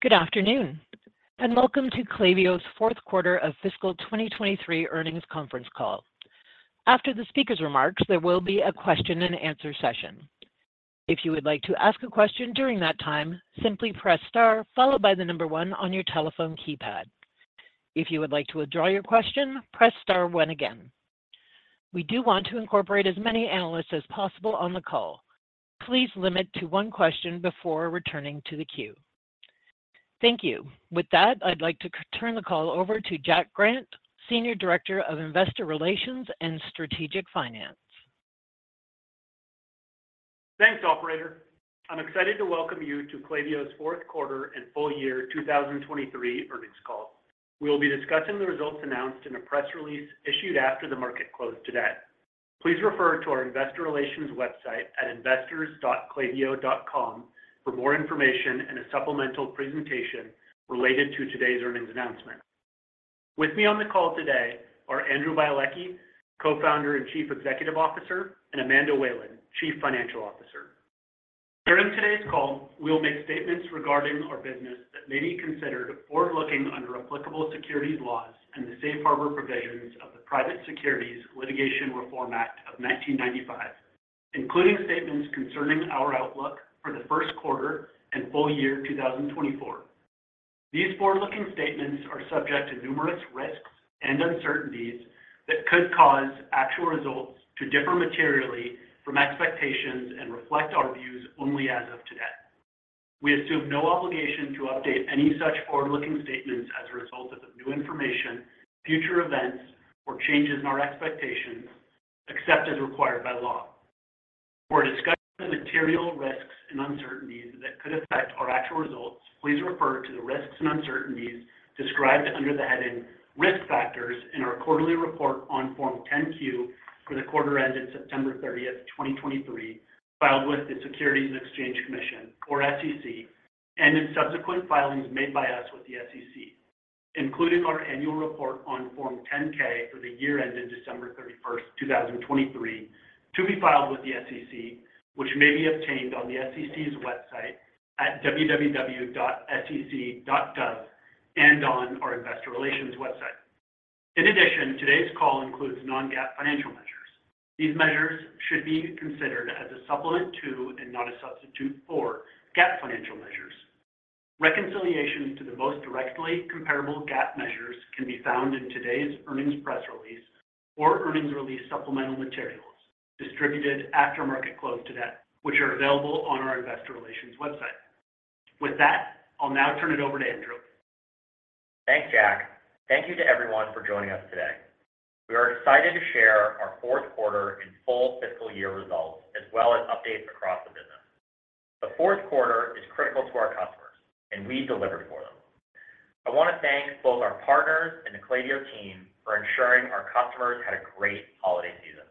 Good afternoon, and welcome to Klaviyo's fourth quarter of fiscal 2023 earnings conference call. After the speaker's remarks, there will be a question and answer session. If you would like to ask a question during that time, simply press star followed by the number one on your telephone keypad. If you would like to withdraw your question, press star one again. We do want to incorporate as many analysts as possible on the call. Please limit to one question before returning to the queue. Thank you. With that, I'd like to turn the call over to Jack Grant, Senior Director of Investor Relations and Strategic Finance. Thanks, operator. I'm excited to welcome you to Klaviyo's fourth quarter and full-year 2023 earnings call. We will be discussing the results announced in a press release issued after the market closed today. Please refer to our investor relations website at investors.klaviyo.com for more information and a supplemental presentation related to today's earnings announcement. With me on the call today are Andrew Bialecki, Co-founder and Chief Executive Officer, and Amanda Whalen, Chief Financial Officer. During today's call, we'll make statements regarding our business that may be considered forward-looking under applicable securities laws and the safe harbor provisions of the Private Securities Litigation Reform Act of 1995, including statements concerning our outlook for the first quarter and full-year 2024. These forward-looking statements are subject to numerous risks and uncertainties that could cause actual results to differ materially from expectations and reflect our views only as of today. We assume no obligation to update any such forward-looking statements as a result of new information, future events, or changes in our expectations, except as required by law. For a discussion of material risks and uncertainties that could affect our actual results, please refer to the risks and uncertainties described under the heading "Risk Factors" in our quarterly report on Form 10-Q for the quarter ended September 30, 2023, filed with the Securities and Exchange Commission, or SEC, and in subsequent filings made by us with the SEC, including our annual report on Form 10-K for the year ended December 31, 2023, to be filed with the SEC, which may be obtained on the SEC's website at www.sec.gov and on our investor relations website. In addition, today's call includes non-GAAP financial measures. These measures should be considered as a supplement to, and not a substitute for, GAAP financial measures. Reconciliations to the most directly comparable GAAP measures can be found in today's earnings press release or earnings release supplemental materials distributed after market close today, which are available on our investor relations website. With that, I'll now turn it over to Andrew. Thanks, Jack. Thank you to everyone for joining us today. We are excited to share our fourth quarter and full fiscal year results, as well as updates across the business. The fourth quarter is critical to our customers, and we delivered for them. I want to thank both our partners and the Klaviyo team for ensuring our customers had a great holiday season.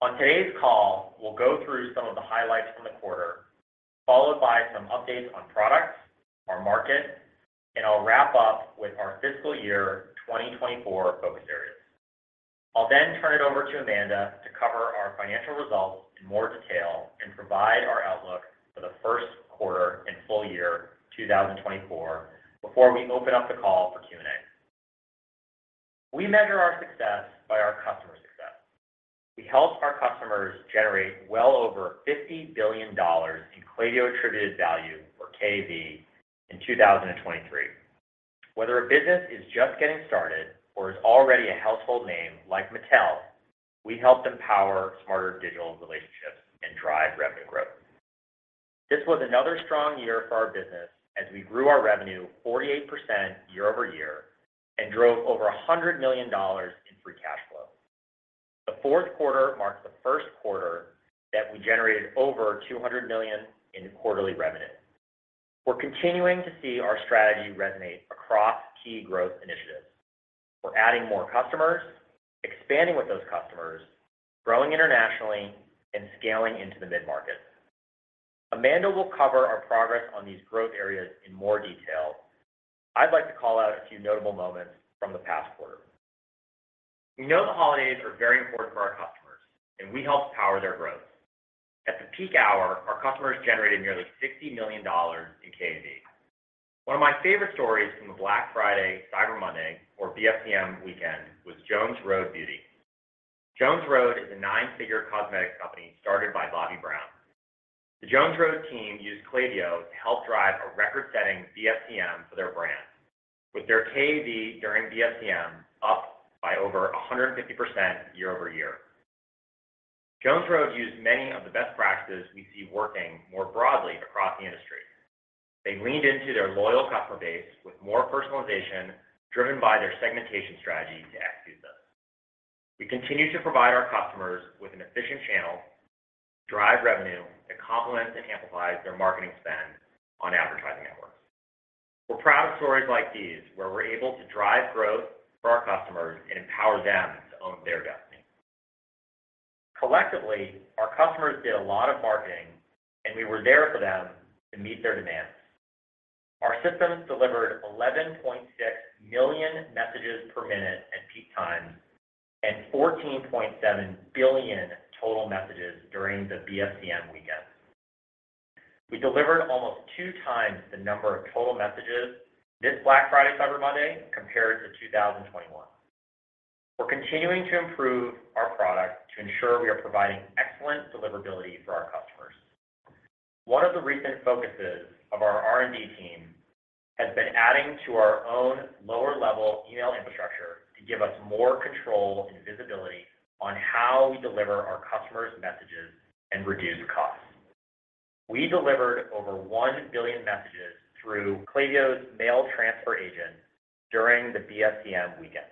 On today's call, we'll go through some of the highlights from the quarter, followed by some updates on products, our market, and I'll wrap up with our fiscal year 2024 focus areas. I'll then turn it over to Amanda to cover our financial results in more detail and provide our outlook for the first quarter and full-year 2024, before we open up the call for Q&A. We measure our success by our customer success. We helped our customers generate well over $50 billion in Klaviyo Attributed Value, or KAV, in 2023. Whether a business is just getting started or is already a household name like Mattel, we help empower smarter digital relationships and drive revenue growth. This was another strong year for our business as we grew our revenue 48% year-over-year and drove over $100 million in Free Cash Flow. The fourth quarter marked the first quarter that we generated over $200 million in quarterly revenue. We're continuing to see our strategy resonate across key growth initiatives. We're adding more customers, expanding with those customers, growing internationally, and scaling into the mid-market. Amanda will cover our progress on these growth areas in more detail. I'd like to call out a few notable moments from the past quarter. We know the holidays are very important for our customers, and we help power their growth. At the peak hour, our customers generated nearly $60 million in KAV. One of my favorite stories from the Black Friday, Cyber Monday, or BFCM weekend, was Jones Road Beauty. Jones Road is a nine-figure cosmetic company started by Bobbi Brown. The Jones Road team used Klaviyo to help drive a record-setting BFCM for their brand, with their KAV during BFCM up by over 150% year-over-year. Jones Road used many of the best practices we see working more broadly across the industry. They leaned into their loyal customer base with more personalization, driven by their segmentation strategy to execute this. We continue to provide our customers with an efficient channel to drive revenue that complements and amplifies their marketing spend on advertising networks. We're proud of stories like these, where we're able to drive growth for our customers and empower them to own their destiny. Collectively, our customers did a lot of marketing, and we were there for them to meet their demands. Our systems delivered 11.6 million messages per minute... and 14.7 billion total messages during the BFCM weekend. We delivered almost 2 times the number of total messages this Black Friday, Cyber Monday, compared to 2021. We're continuing to improve our product to ensure we are providing excellent deliverability for our customers. One of the recent focuses of our R&D team has been adding to our own lower-level email infrastructure to give us more control and visibility on how we deliver our customers' messages and reduce costs. We delivered over 1 billion messages through Klaviyo's mail transfer agent during the BFCM weekend.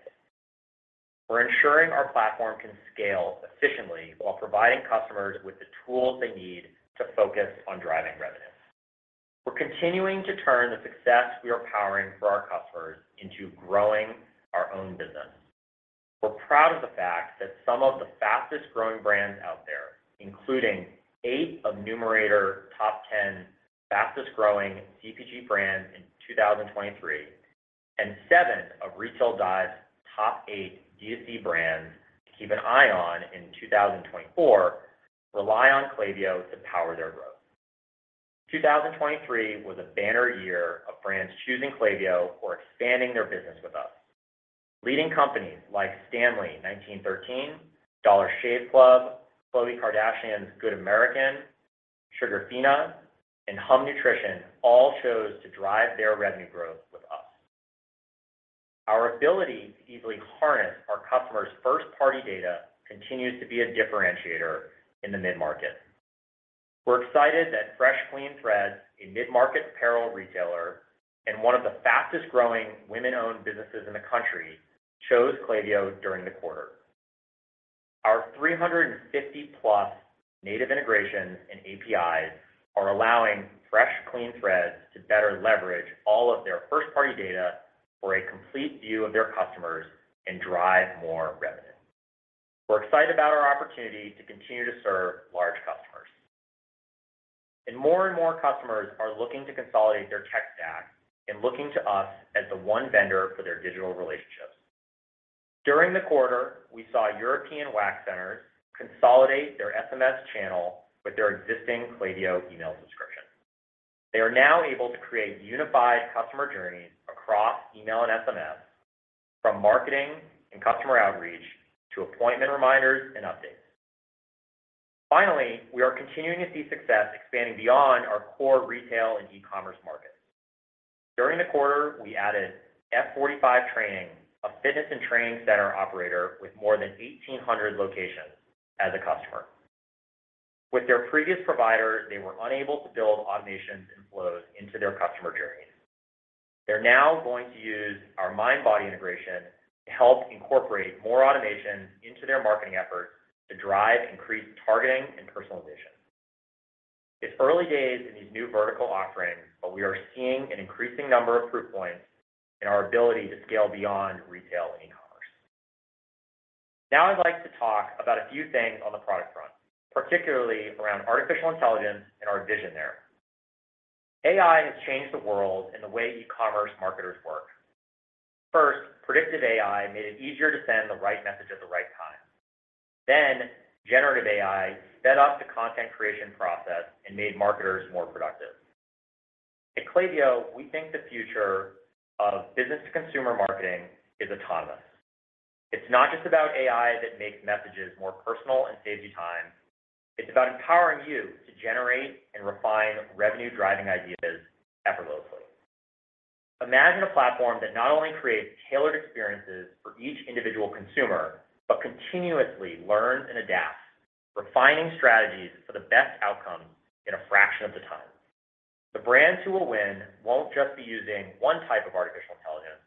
We're ensuring our platform can scale efficiently while providing customers with the tools they need to focus on driving revenue. We're continuing to turn the success we are powering for our customers into growing our own business. We're proud of the fact that some of the fastest-growing brands out there, including 8 of Numerator's top 10 fastest-growing CPG brands in 2023, and 7 of Retail Dive's top 8 DTC brands to keep an eye on in 2024, rely on Klaviyo to power their growth. 2023 was a banner year of brands choosing Klaviyo or expanding their business with us. Leading companies like Stanley 1913, Dollar Shave Club, Khloé Kardashian's Good American, Sugarfina, and Hum Nutrition all chose to drive their revenue growth with us. Our ability to easily harness our customers' first-party data continues to be a differentiator in the mid-market. We're excited that Fresh Clean Threads, a mid-market apparel retailer and one of the fastest-growing women-owned businesses in the country, chose Klaviyo during the quarter. Our 350+ native integrations and APIs are allowing Fresh Clean Threads to better leverage all of their first-party data for a complete view of their customers and drive more revenue. We're excited about our opportunity to continue to serve large customers. And more and more customers are looking to consolidate their tech stack and looking to us as the one vendor for their digital relationships. During the quarter, we saw European Wax Center consolidate their SMS channel with their existing Klaviyo email subscription. They are now able to create unified customer journeys across email and SMS, from marketing and customer outreach to appointment reminders and updates. Finally, we are continuing to see success expanding beyond our core retail and e-commerce markets. During the quarter, we added F45 Training, a fitness and training center operator with more than 1,800 locations, as a customer. With their previous provider, they were unable to build automations and flows into their customer journey. They're now going to use our Mindbody integration to help incorporate more automation into their marketing efforts to drive increased targeting and personalization. It's early days in these new vertical offerings, but we are seeing an increasing number of proof points in our ability to scale beyond retail and e-commerce. Now, I'd like to talk about a few things on the product front, particularly around artificial intelligence and our vision there. AI has changed the world and the way e-commerce marketers work. First, predictive AI made it easier to send the right message at the right time. Then, generative AI sped up the content creation process and made marketers more productive. At Klaviyo, we think the future of business-to-consumer marketing is autonomous. It's not just about AI that makes messages more personal and saves you time. It's about empowering you to generate and refine revenue-driving ideas effortlessly. Imagine a platform that not only creates tailored experiences for each individual consumer, but continuously learns and adapts, refining strategies for the best outcome in a fraction of the time. The brands who will win won't just be using one type of artificial intelligence.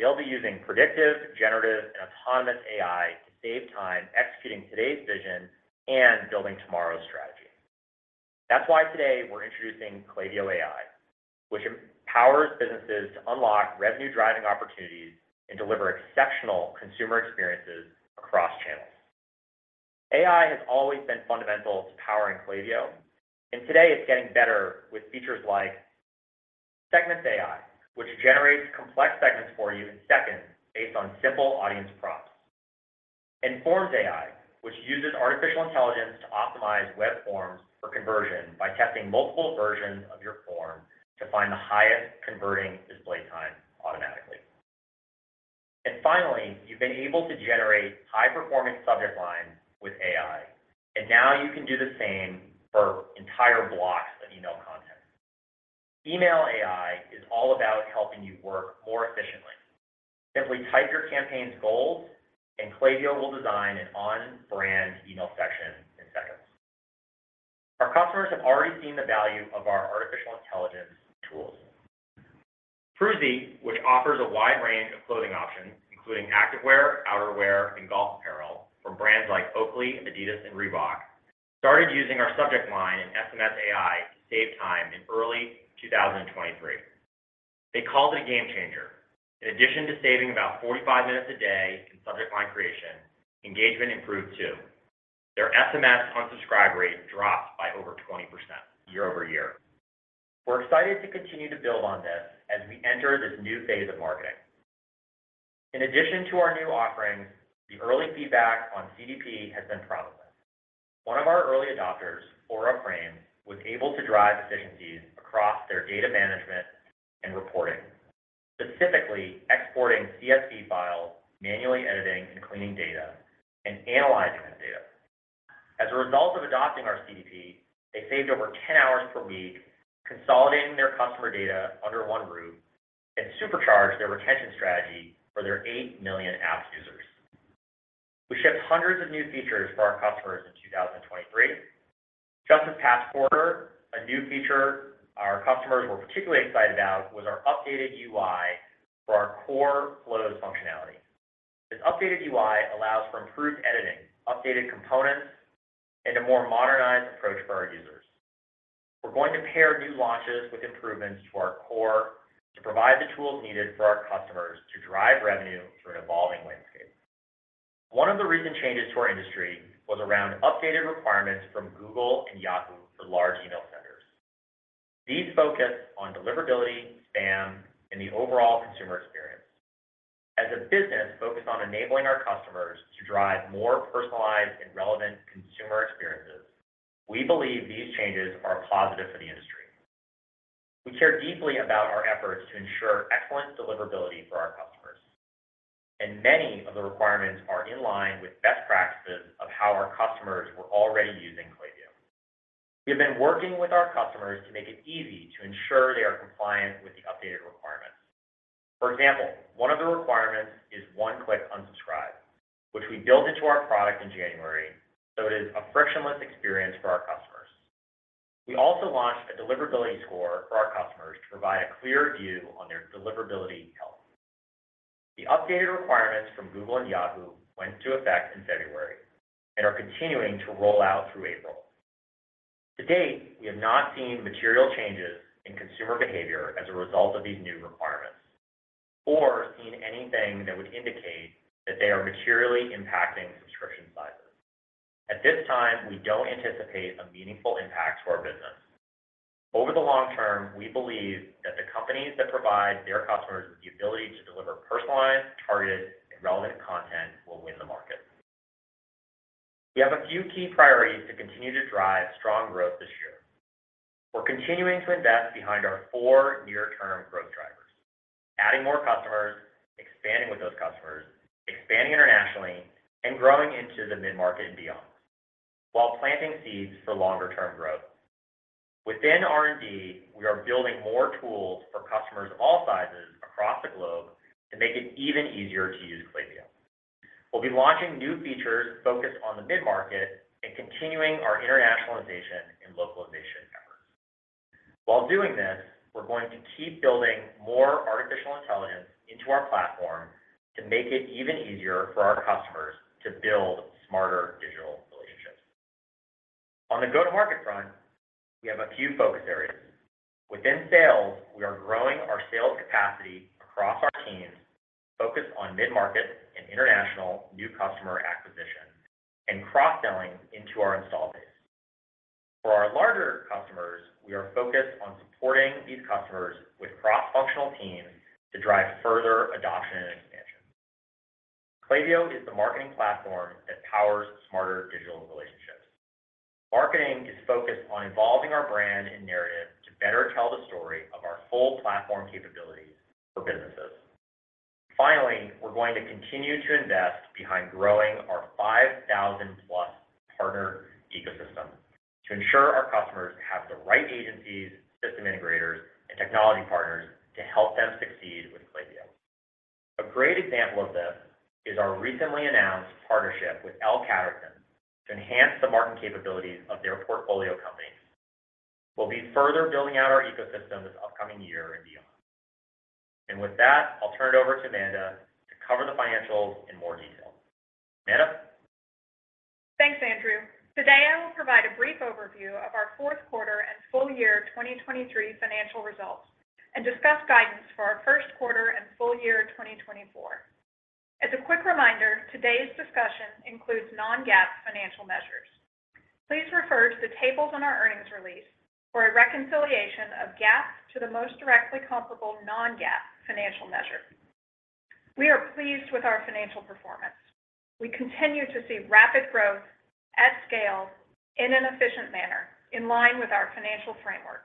They'll be using predictive, generative, and autonomous AI to save time executing today's vision and building tomorrow's strategy. That's why today we're introducing Klaviyo AI, which empowers businesses to unlock revenue-driving opportunities and deliver exceptional consumer experiences across channels. AI has always been fundamental to powering Klaviyo, and today it's getting better with features like Segments AI, which generates complex segments for you in seconds based on simple audience prompts. And Forms AI, which uses artificial intelligence to optimize web forms for conversion by testing multiple versions of your form to find the highest converting display time automatically. And finally, you've been able to generate high-performing subject lines with AI, and now you can do the same for entire blocks of email content. Email AI is all about helping you work more efficiently. Simply type your campaign's goals, and Klaviyo will design an on-brand email section in seconds. Our customers have already seen the value of our artificial intelligence tools. Proozy, which offers a wide range of clothing options, including activewear, outerwear, and golf apparel from brands like Oakley, Adidas, and Reebok, started using our subject line and SMS AI to save time in early 2023. They called it a game changer. In addition to saving about 45 minutes a day in subject line creation, engagement improved too. Their SMS unsubscribe rate dropped by over 20% year-over-year.... We're excited to continue to build on this as we enter this new phase of marketing. In addition to our new offerings, the early feedback on CDP has been promising. One of our early adopters, Aura Frame, was able to drive efficiencies across their data management and reporting, specifically exporting CSV files, manually editing and cleaning data, and analyzing that data. As a result of adopting our CDP, they saved over 10 hours per week, consolidating their customer data under one roof, and supercharged their retention strategy for their 8 million app users. We shipped hundreds of new features for our customers in 2023. Just this past quarter, a new feature our customers were particularly excited about was our updated UI for our core flows functionality. This updated UI allows for improved editing, updated components, and a more modernized approach for our users. We're going to pair new launches with improvements to our core to provide the tools needed for our customers to drive revenue through an evolving landscape. One of the recent changes to our industry was around updated requirements from Google and Yahoo for large email centers. These focus on deliverability, spam, and the overall consumer experience. As a business focused on enabling our customers to drive more personalized and relevant consumer experiences, we believe these changes are positive for the industry. We care deeply about our efforts to ensure excellent deliverability for our customers, and many of the requirements are in line with best practices of how our customers were already using Klaviyo. We have been working with our customers to make it easy to ensure they are compliant with the updated requirements. For example, one of the requirements is one-click unsubscribe, which we built into our product in January, so it is a frictionless experience for our customers. We also launched a deliverability score for our customers to provide a clear view on their deliverability health. The updated requirements from Google and Yahoo went into effect in February and are continuing to roll out through April. To date, we have not seen material changes in consumer behavior as a result of these new requirements or seen anything that would indicate that they are materially impacting subscription sizes. At this time, we don't anticipate a meaningful impact to our business. Over the long term, we believe that the companies that provide their customers with the ability to deliver personalized, targeted, and relevant content will win the market. We have a few key priorities to continue to drive strong growth this year. We're continuing to invest behind our four near-term growth drivers, adding more customers, expanding with those customers, expanding internationally, and growing into the mid-market and beyond, while planting seeds for longer-term growth. Within R&D, we are building more tools for customers of all sizes across the globe to make it even easier to use Klaviyo. We'll be launching new features focused on the mid-market and continuing our internationalization and localization efforts. While doing this, we're going to keep building more artificial intelligence into our platform to make it even easier for our customers to build smarter digital relationships. On the go-to-market front, we have a few focus areas. Within sales, we are growing our sales capacity across our teams, focused on mid-market and international new customer acquisition and cross-selling into our install base. For our larger customers, we are focused on supporting these customers with cross-functional teams to drive further adoption and expansion. Klaviyo is the marketing platform that powers smarter digital relationships. Marketing is focused on evolving our brand and narrative to better tell the story of our whole platform capabilities for businesses. Finally, we're going to continue to invest behind growing our 5,000-plus partner ecosystem to ensure our customers have the right agencies, system integrators, and technology partners to help them succeed with Klaviyo. A great example of this is our recently announced partnership with L Catterton to enhance the marketing capabilities of their portfolio company. We'll be further building out our ecosystem this upcoming year and beyond. And with that, I'll turn it over to Amanda to cover the financials in more detail. Amanda? Thanks, Andrew. Today, I will provide a brief overview of our fourth quarter and full-year 2023 financial results and discuss guidance for our first quarter and full-year 2024. As a quick reminder, today's discussion includes non-GAAP financial measures. Please refer to the tables on our earnings release for a reconciliation of GAAP to the most directly comparable non-GAAP financial measures. We are pleased with our financial performance. We continue to see rapid growth at scale in an efficient manner, in line with our financial framework.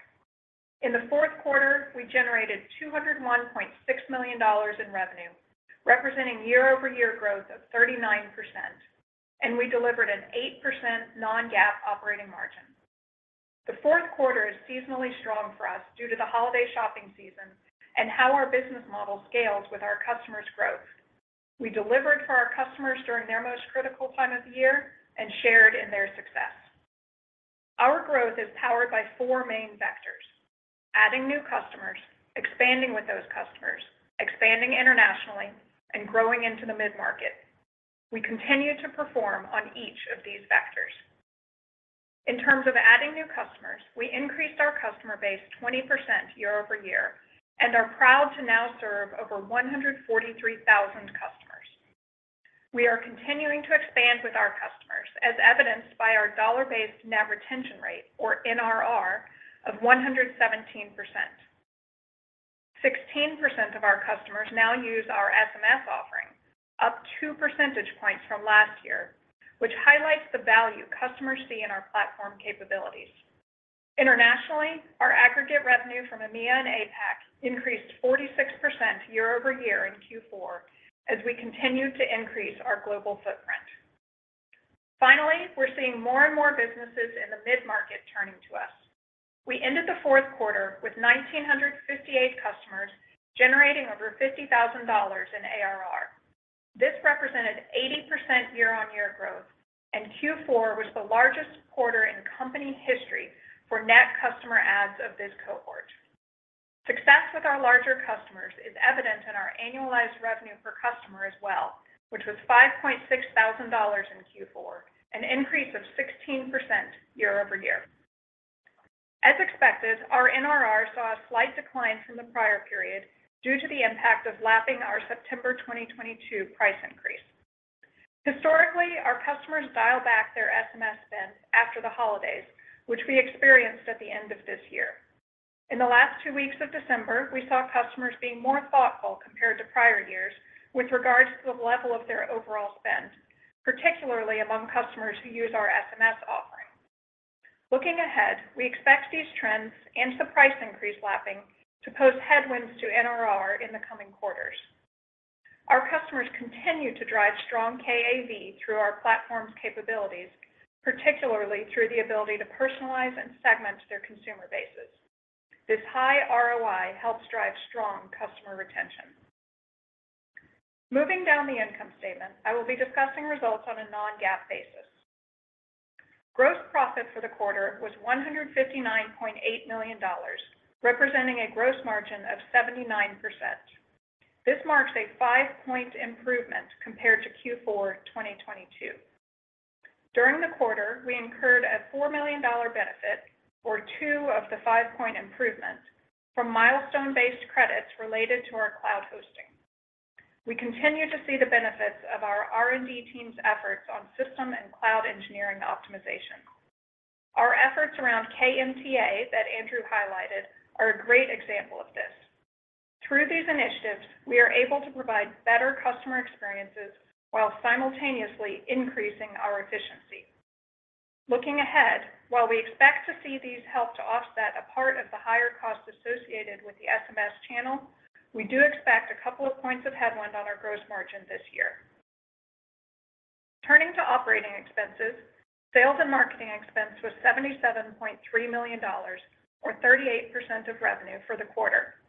In the fourth quarter, we generated $201.6 million in revenue, representing year-over-year growth of 39%, and we delivered an 8% non-GAAP operating margin. The fourth quarter is seasonally strong for us due to the holiday shopping season and how our business model scales with our customers' growth. We delivered for our customers during their most critical time of the year and shared in their success. Our growth is powered by four main vectors: adding new customers, expanding with those customers, expanding internationally, and growing into the mid-market. We continue to perform on each of these vectors. In terms of adding new customers, we increased our customer base 20% year-over-year and are proud to now serve over 143,000 customers. We are continuing to expand with our customers, as evidenced by our dollar-based net retention rate, or NRR, of 117%. 16% of our customers now use our SMS offering, up two percentage points from last year, which highlights the value customers see in our platform capabilities. Internationally, our aggregate revenue from EMEA and APAC increased 46% year-over-year in Q4 as we continued to increase our global footprint. Finally, we're seeing more and more businesses in the mid-market turning to us. We ended the fourth quarter with 1,958 customers, generating over $50,000 in ARR. This represented 80% year-on-year growth, and Q4 was the largest quarter in company history for net customer adds of this cohort. Success with our larger customers is evident in our annualized revenue per customer as well, which was $5,600 in Q4, an increase of 16% year-over-year. As expected, our NRR saw a slight decline from the prior period due to the impact of lapping our September 2022 price increase. Historically, our customers dial back their SMS spend after the holidays, which we experienced at the end of this year. In the last two weeks of December, we saw customers being more thoughtful compared to prior years with regards to the level of their overall spend, particularly among customers who use our SMS offering. Looking ahead, we expect these trends and the price increase lapping to pose headwinds to NRR in the coming quarters. Our customers continue to drive strong KAV through our platform's capabilities, particularly through the ability to personalize and segment their consumer bases. This high ROI helps drive strong customer retention. Moving down the income statement, I will be discussing results on a non-GAAP basis. Gross profit for the quarter was $159.8 million, representing a gross margin of 79%. This marks a 5-point improvement compared to Q4 2022. During the quarter, we incurred a $4 million benefit or 2 of the 5-point improvement from milestone-based credits related to our cloud hosting. We continue to see the benefits of our R&D team's efforts on system and cloud engineering optimization. Our efforts around KMTA that Andrew highlighted are a great example of this. Through these initiatives, we are able to provide better customer experiences while simultaneously increasing our efficiency. Looking ahead, while we expect to see these help to offset a part of the higher cost associated with the SMS channel, we do expect a couple of points of headwind on our gross margin this year. Turning to operating expenses, sales and marketing expense was $77.3 million, or 38% of revenue for the quarter.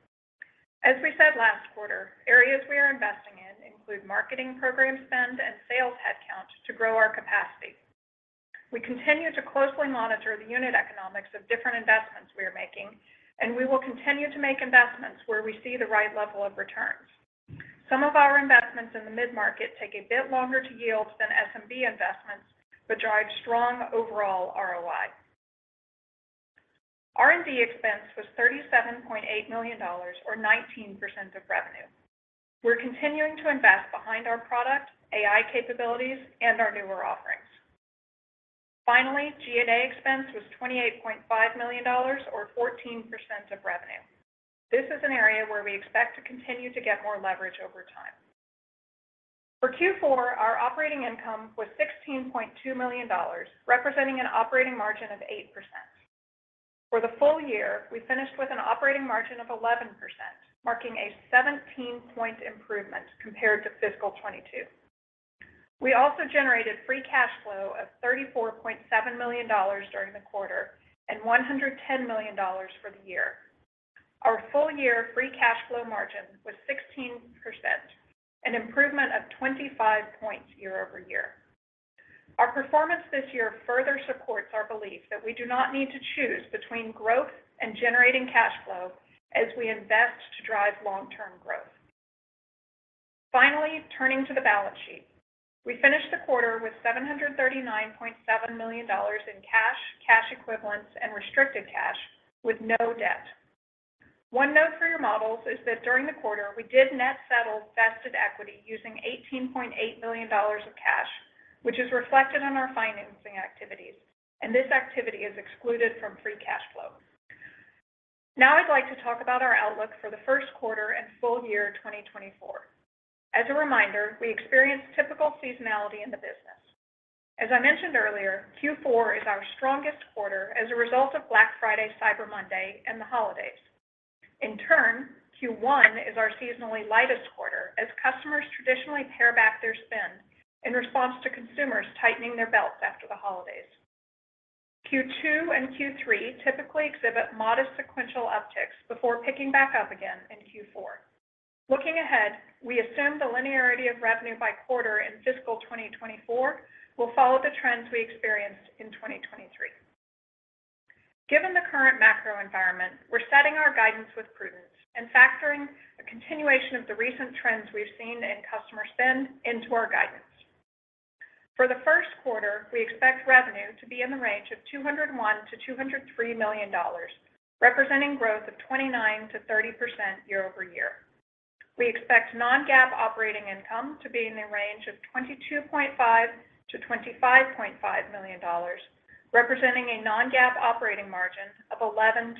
As we said last quarter, areas we are investing in include marketing program spend and sales headcount to grow our capacity. We continue to closely monitor the unit economics of different investments we are making, and we will continue to make investments where we see the right level of returns. Some of our investments in the mid-market take a bit longer to yield than SMB investments, but drive strong overall ROI. R&D expense was $37.8 million or 19% of revenue. We're continuing to invest behind our product, AI capabilities, and our newer offerings. Finally, G&A expense was $28.5 million, or 14% of revenue. This is an area where we expect to continue to get more leverage over time. For Q4, our operating income was $16.2 million, representing an operating margin of 8%. For the full-year, we finished with an operating margin of 11%, marking a 17-point improvement compared to fiscal 2022. We also generated free cash flow of $34.7 million during the quarter and $110 million for the year. Our full-year free cash flow margin was 16%, an improvement of 25 points year-over-year. Our performance this year further supports our belief that we do not need to choose between growth and generating cash flow as we invest to drive long-term growth. Finally, turning to the balance sheet. We finished the quarter with $739.7 million in cash, cash equivalents, and restricted cash, with no debt. One note for your models is that during the quarter, we did net settle vested equity using $18.8 million of cash, which is reflected in our financing activities, and this activity is excluded from free cash flow. Now I'd like to talk about our outlook for the first quarter and full-year 2024. As a reminder, we experienced typical seasonality in the business. As I mentioned earlier, Q4 is our strongest quarter as a result of Black Friday, Cyber Monday, and the holidays. In turn, Q1 is our seasonally lightest quarter as customers traditionally pare back their spend in response to consumers tightening their belts after the holidays. Q2 and Q3 typically exhibit modest sequential upticks before picking back up again in Q4. Looking ahead, we assume the linearity of revenue by quarter in fiscal 2024 will follow the trends we experienced in 2023. Given the current macro environment, we're setting our guidance with prudence and factoring a continuation of the recent trends we've seen in customer spend into our guidance. For the first quarter, we expect revenue to be in the range of $201 million-$203 million, representing growth of 29%-30% year-over-year. We expect non-GAAP operating income to be in the range of $22.5 million-$25.5 million, representing a non-GAAP operating margin of 11%-13%.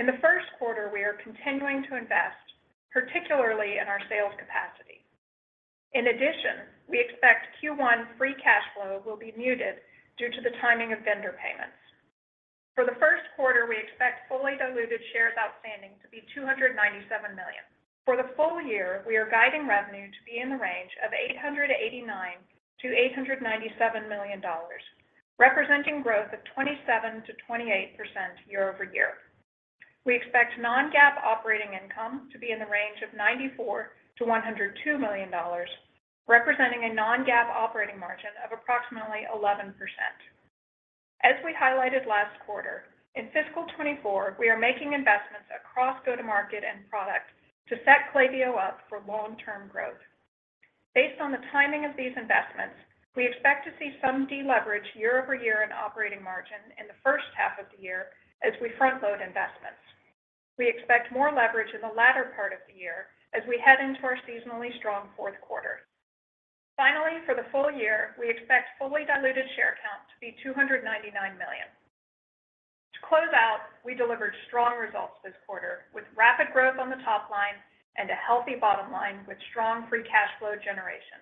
In the first quarter, we are continuing to invest, particularly in our sales capacity. In addition, we expect Q1 free cash flow will be muted due to the timing of vendor payments. For the first quarter, we expect fully diluted shares outstanding to be 297 million. For the full-year, we are guiding revenue to be in the range of $889 million-$897 million, representing growth of 27%-28% year-over-year. We expect non-GAAP operating income to be in the range of $94 million-$102 million, representing a non-GAAP operating margin of approximately 11%. As we highlighted last quarter, in fiscal 2024, we are making investments across go-to-market and product to set Klaviyo up for long-term growth. Based on the timing of these investments, we expect to see some deleverage year-over-year in operating margin in the first half of the year as we front load investments. We expect more leverage in the latter part of the year as we head into our seasonally strong fourth quarter. Finally, for the full-year, we expect fully diluted share count to be 299 million. To close out, we delivered strong results this quarter, with rapid growth on the top line and a healthy bottom line with strong free cash flow generation.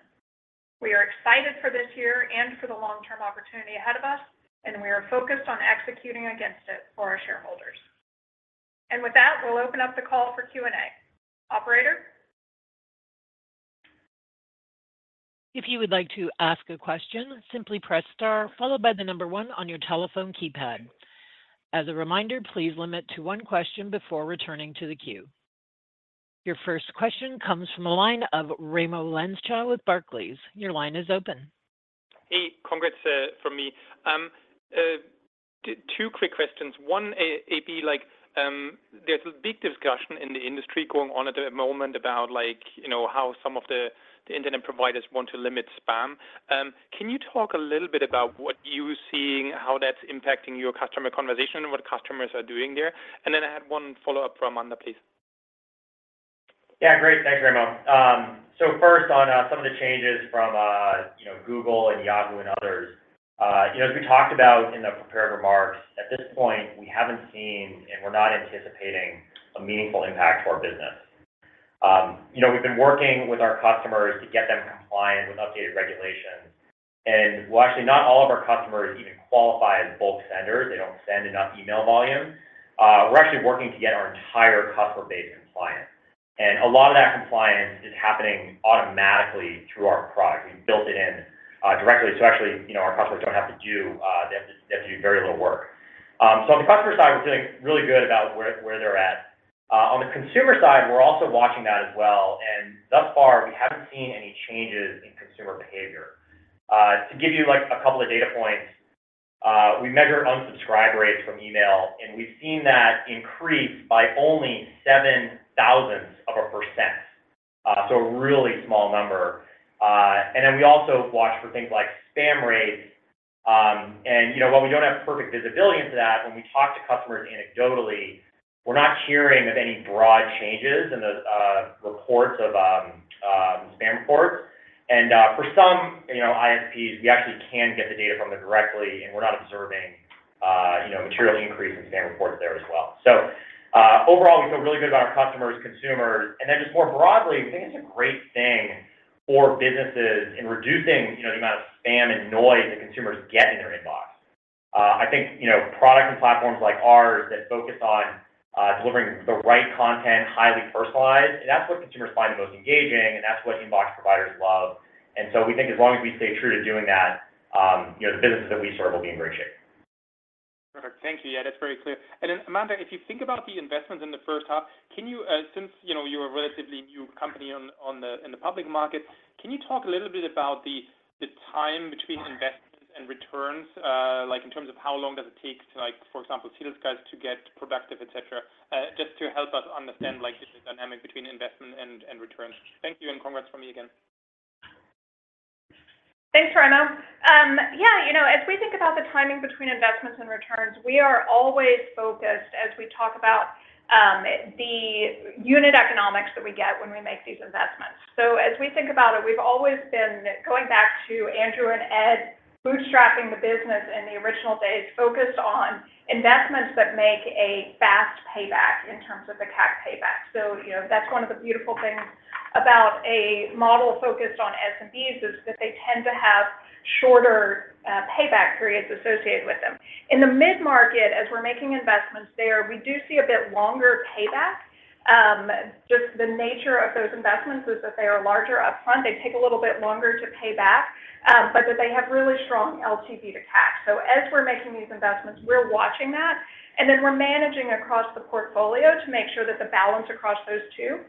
We are excited for this year and for the long-term opportunity ahead of us, and we are focused on executing against it for our shareholders. With that, we'll open up the call for Q&A. Operator? If you would like to ask a question, simply press star followed by the number one on your telephone keypad. As a reminder, please limit to one question before returning to the queue. Your first question comes from the line of Remo Lenschow with Barclays. Your line is open. Hey, congrats from me. Two quick questions. One, it'd be like, there's a big discussion in the industry going on at the moment about like, you know, how some of the internet providers want to limit spam. Can you talk a little bit about what you're seeing, how that's impacting your customer conversations, what customers are doing there? And then I had one follow-up from Amanda, please. Yeah, great. Thanks, Remo. So first on some of the changes from you know, Google and Yahoo and others, you know, as we talked about in the prepared remarks, at this point, we haven't seen and we're not anticipating a meaningful impact to our business. You know, we've been working with our customers to get them compliant with updated regulations, and well, actually, not all of our customers even qualify as bulk senders. They don't send enough email volume. We're actually working to get our entire customer base compliant, and a lot of that compliance is happening automatically through our product. We built it in directly, so actually, you know, our customers don't have to do they have to do very little work. So on the customer side, we're feeling really good about where they're at. On the consumer side, we're also watching that as well, and thus far, we haven't seen any changes in consumer behavior. To give you, like, a couple of data points, we measure unsubscribe rates from email, and we've seen that increase by only 0.007%, so a really small number. And then we also watch for things like spam rates, and, you know, while we don't have perfect visibility into that, when we talk to customers anecdotally, we're not hearing of any broad changes in the reports of spam reports. And, for some, you know, ISPs, we actually can get the data from them directly, and we're not observing, you know, material increase in spam reports there as well. So, overall, we feel really good about our customers, consumers. And then just more broadly, we think it's a great thing for businesses in reducing, you know, the amount of spam and noise that consumers get in their inbox. I think, you know, product and platforms like ours that focus on delivering the right content, highly personalized, and that's what consumers find the most engaging, and that's what inbox providers love. And so we think as long as we stay true to doing that, you know, the businesses that we serve will be in great shape. Perfect. Thank you. Yeah, that's very clear. And then, Amanda, if you think about the investments in the first half, can you, since, you know, you're a relatively new company on, on the, in the public market, can you talk a little bit about the, the time between investments and returns, like in terms of how long does it take to, like, for example, see those guys to get productive, et cetera, just to help us understand like the dynamic between investment and, and returns? Thank you, and congrats from me again. Thanks, Remo. Yeah, you know, as we think about the timing between investments and returns, we are always focused as we talk about the unit economics that we get when we make these investments. So as we think about it, we've always been, going back to Andrew and Ed, bootstrapping the business in the original days, focused on investments that make a fast payback in terms of the CAC payback. So you know, that's one of the beautiful things about a model focused on SMBs, is that they tend to have shorter payback periods associated with them. In the mid-market, as we're making investments there, we do see a bit longer payback. Just the nature of those investments is that they are larger upfront. They take a little bit longer to pay back, but that they have really strong LTV to CAC. So as we're making these investments, we're watching that, and then we're managing across the portfolio to make sure that the balance across those two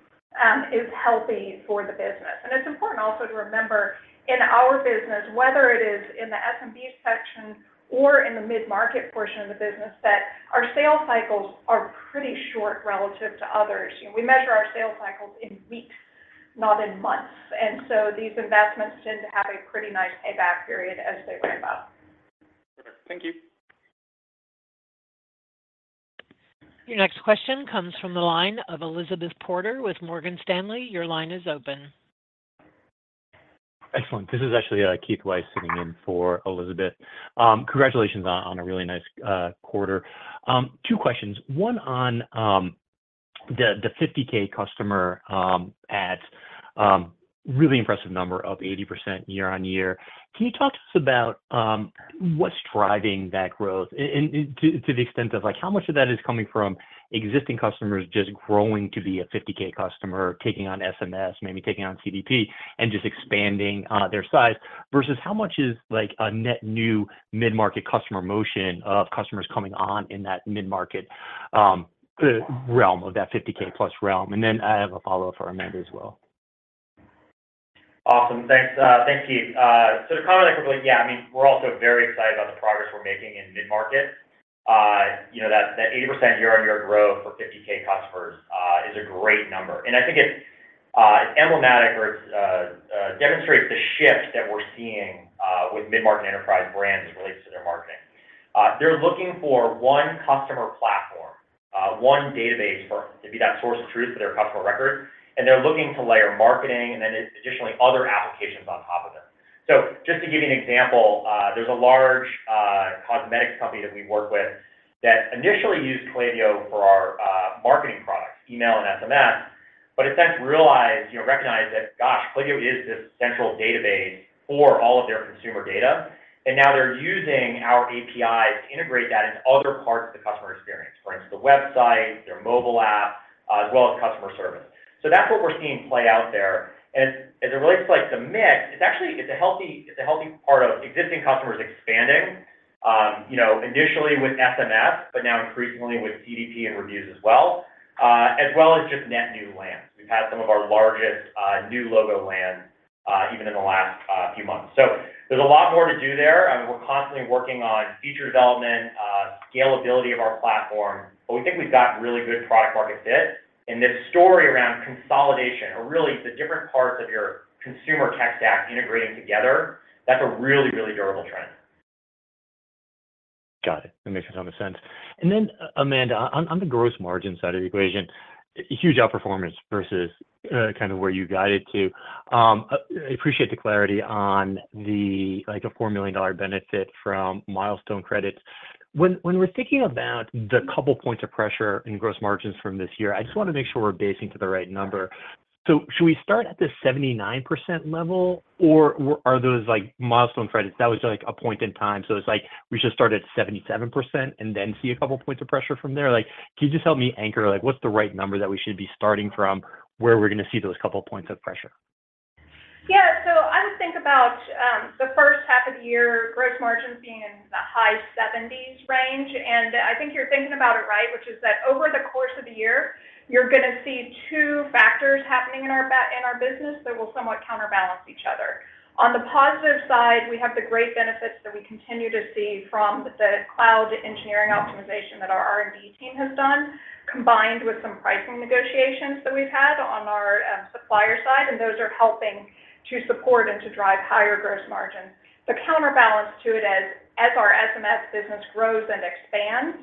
is healthy for the business. And it's important also to remember, in our business, whether it is in the SMB section or in the mid-market portion of the business, that our sales cycles are pretty short relative to others. You know, we measure our sales cycles in weeks, not in months, and so these investments tend to have a pretty nice payback period as they ramp up. Thank you. Your next question comes from the line of Elizabeth Porter with Morgan Stanley. Your line is open. Excellent. This is actually Keith Weiss sitting in for Elizabeth. Congratulations on a really nice quarter. Two questions. One on the 50K customer adds, really impressive number of 80% year-on-year. Can you talk to us about what's driving that growth? And to the extent of like, how much of that is coming from existing customers just growing to be a 50K customer, taking on SMS, maybe taking on CDP, and just expanding their size, versus how much is like a net new mid-market customer motion of customers coming on in that mid-market realm of that 50K+ realm? And then I have a follow-up for Amanda as well. Awesome. Thanks, thanks, Keith. So to comment, yeah, I mean, we're also very excited about the progress we're making in mid-market. You know, that, that 80% year-on-year growth for 50K customers, is a great number. And I think it's, emblematic or it's, demonstrates the shift that we're seeing, with mid-market enterprise brands as it relates to their marketing. They're looking for one customer platform, one database for- to be that source of truth for their customer record, and they're looking to layer marketing and then additionally, other applications on top of them. So just to give you an example, there's a large cosmetics company that we work with that initially used Klaviyo for our marketing products, email and SMS, but in fact realized, you know, recognized that, gosh, Klaviyo is this central database for all of their consumer data, and now they're using our API to integrate that into other parts of the customer experience, for instance, the website, their mobile app, as well as customer service. So that's what we're seeing play out there. As it relates to, like, the mix, it's actually, it's a healthy, it's a healthy part of existing customers expanding, you know, initially with SMS, but now increasingly with CDP and reviews as well, as well as just net new lands. We've had some of our largest new logo lands, even in the last few months. So there's a lot more to do there. I mean, we're constantly working on feature development, scalability of our platform, but we think we've got really good product market fit. And this story around consolidation, or really the different parts of your consumer tech stack integrating together, that's a really, really durable trend. Got it. That makes a ton of sense. And then, Amanda, on the gross margin side of the equation, huge outperformance versus kind of where you guided to. I appreciate the clarity on the, like, a $4 million benefit from milestone credits. When we're thinking about the couple points of pressure in gross margins from this year, I just wanna make sure we're basing to the right number. So should we start at the 79% level, or are those, like, milestone credits, that was, like, a point in time, so it's like we should start at 77% and then see a couple points of pressure from there? Like, can you just help me anchor, like, what's the right number that we should be starting from, where we're gonna see those couple of points of pressure? Yeah. So I would think about the first half of the year, gross margins being in the high seventies range. And I think you're thinking about it right, which is that over the course of the year, you're gonna see two factors happening in our business that will somewhat counterbalance each other. On the positive side, we have the great benefits that we continue to see from the cloud engineering optimization that our R&D team has done, combined with some pricing negotiations that we've had on our supplier side, and those are helping to support and to drive higher gross margins. The counterbalance to it is, as our SMS business grows and expands,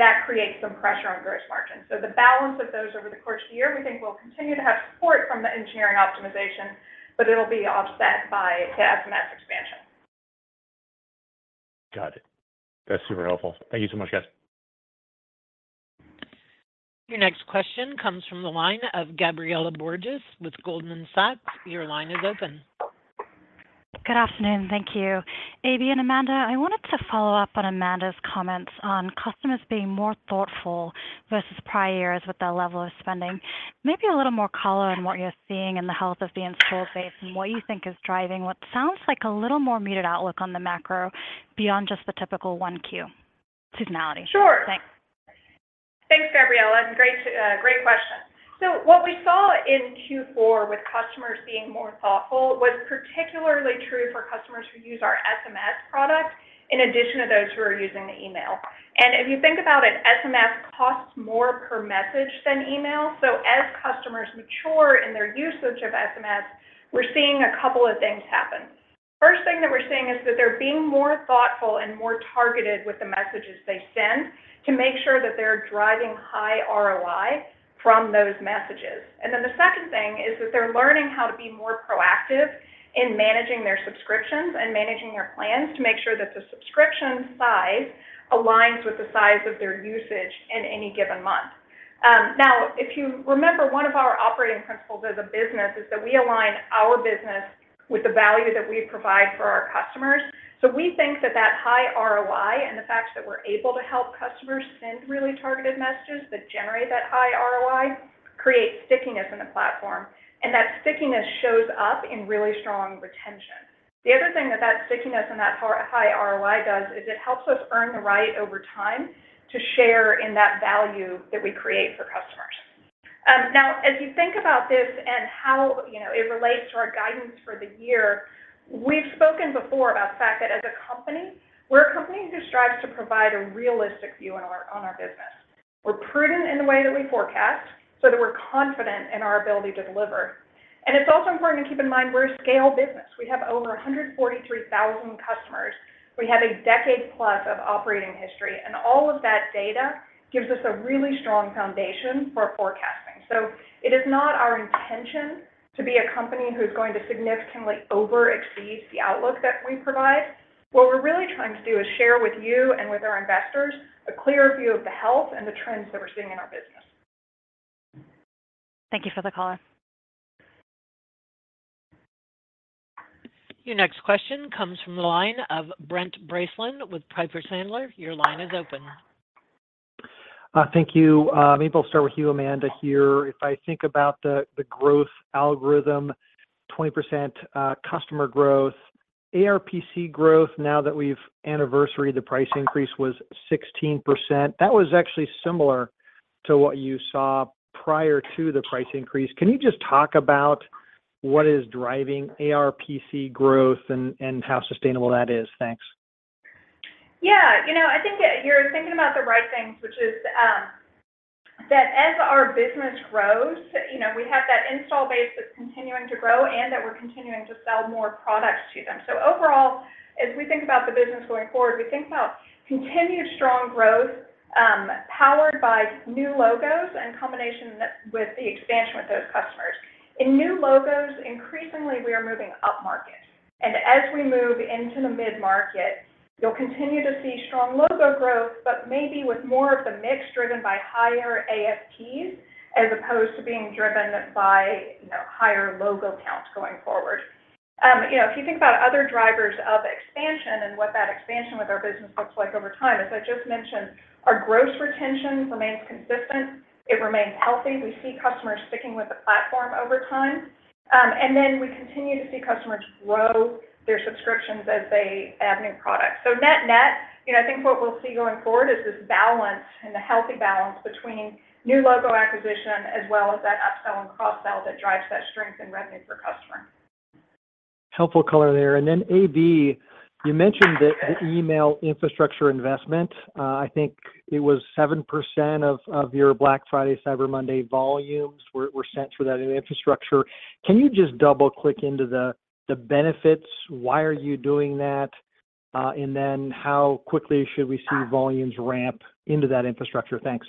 that creates some pressure on gross margins. So the balance of those over the course of the year, we think, will continue to have support from the engineering optimization, but it'll be offset by the SMS expansion. Got it. That's super helpful. Thank you so much, guys. Your next question comes from the line of Gabriela Borges with Goldman Sachs. Your line is open. Good afternoon. Thank you. AB and Amanda, I wanted to follow up on Amanda's comments on customers being more thoughtful versus prior years with their level of spending. Maybe a little more color on what you're seeing in the health of the installed base and what you think is driving what sounds like a little more muted outlook on the macro beyond just the typical one Q seasonality? Sure. Thanks. Thanks, Gabriela. Great, great question. So what we saw in Q4 with customers being more thoughtful was particularly true for customers who use our SMS product, in addition to those who are using the email. And if you think about it, SMS costs more per message than email. So as customers mature in their usage of SMS, we're seeing a couple of things happen. First thing that we're seeing is that they're being more thoughtful and more targeted with the messages they send to make sure that they're driving high ROI from those messages. And then the second thing is that they're learning how to be more proactive in managing their subscriptions and managing their plans to make sure that the subscription size aligns with the size of their usage in any given month. Now, if you remember, one of our operating principles as a business is that we align our business with the value that we provide for our customers. So we think that that high ROI and the fact that we're able to help customers send really targeted messages that generate that high ROI, creates stickiness in the platform, and that stickiness shows up in really strong retention. The other thing that that stickiness and that high ROI does, is it helps us earn the right over time to share in that value that we create for customers. Now, as you think about this and how, you know, it relates to our guidance for the year, we've spoken before about the fact that as a company, we're a company who strives to provide a realistic view on our, on our business. We're prudent in the way that we forecast, so that we're confident in our ability to deliver. It's also important to keep in mind, we're a scale business. We have over 143,000 customers. We have a decade plus of operating history, and all of that data gives us a really strong foundation for forecasting. It is not our intention to be a company who's going to significantly overexceed the outlook that we provide. What we're really trying to do is share with you and with our investors, a clear view of the health and the trends that we're seeing in our business. Thank you for the color. Your next question comes from the line of Brent Bracelin with Piper Sandler. Your line is open. Thank you. Maybe I'll start with you, Amanda, here. If I think about the growth algorithm, 20% customer growth, ARPC growth, now that we've anniversaried the price increase was 16%. That was actually similar to what you saw prior to the price increase. Can you just talk about what is driving ARPC growth and how sustainable that is? Thanks. Yeah, you know, I think you're thinking about the right things, which is, that as our business grows, you know, we have that install base that's continuing to grow and that we're continuing to sell more products to them. So overall, as we think about the business going forward, we think about continued strong growth, powered by new logos in combination with the expansion with those customers. In new logos, increasingly, we are moving upmarket. And as we move into the mid-market, you'll continue to see strong logo growth, but maybe with more of the mix driven by higher ASPs, as opposed to being driven by, you know, higher logo counts going forward. You know, if you think about other drivers of expansion and what that expansion with our business looks like over time, as I just mentioned, our gross retention remains consistent. It remains healthy. We see customers sticking with the platform over time. Then we continue to see customers grow their subscriptions as they add new products. So net-net, you know, I think what we'll see going forward is this balance, and a healthy balance between new logo acquisition as well as that upsell and cross-sell that drives that strength and revenue per customer. Helpful color there. And then, AB, you mentioned that the email infrastructure investment, I think it was 7% of your Black Friday, Cyber Monday volumes were sent through that new infrastructure. Can you just double-click into the benefits? Why are you doing that, and then how quickly should we see volumes ramp into that infrastructure? Thanks.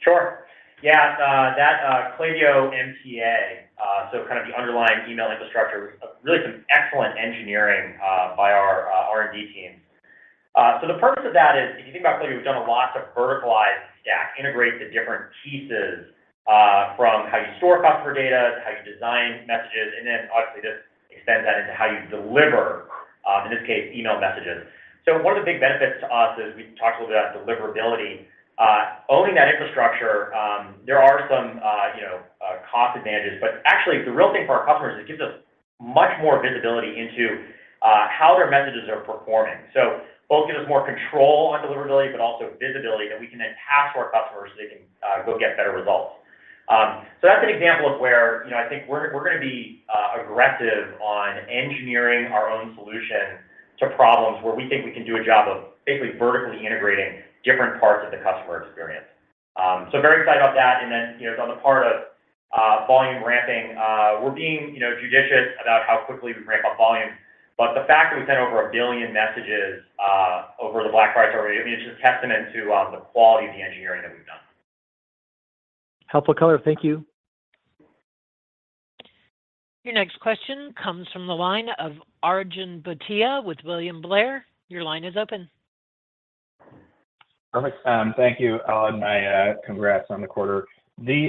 Sure. Yeah, that Klaviyo MTA, so kind of the underlying email infrastructure, really some excellent engineering by our R&D team. So the purpose of that is, if you think about Klaviyo, we've done a lot to verticalize the stack, integrate the different pieces, from how you store customer data, to how you design messages, and then obviously, just extend that into how you deliver, in this case, email messages. So one of the big benefits to us is we've talked a little about deliverability. Owning that infrastructure, there are some, you know, cost advantages, but actually, the real thing for our customers, it gives us much more visibility into how their messages are performing. So both gives us more control on deliverability, but also visibility that we can then pass to our customers so they can go get better results. So that's an example of where, you know, I think we're, we're gonna be aggressive on engineering our own solution to problems where we think we can do a job of basically vertically integrating different parts of the customer experience. So very excited about that. And then, you know, on the part of volume ramping, we're being, you know, judicious about how quickly we ramp up volume. But the fact that we sent over 1 billion messages over the Black Friday, I mean, it's just a testament to the quality of the engineering that we've done. Helpful color. Thank you. Your next question comes from the line of Arjun Bhatia with William Blair. Your line is open. Perfect. Thank you, all, and my congrats on the quarter. Andrew,